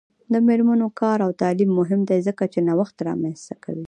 د میرمنو کار او تعلیم مهم دی ځکه چې نوښت رامنځته کوي.